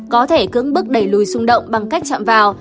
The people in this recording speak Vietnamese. có thể cưỡng bức đẩy lùi xung động bằng cách chạm vào